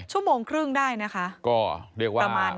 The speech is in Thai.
ชั่วโมงครึ่งได้นะคะประมาณนั้นเลยก็เรียกว่า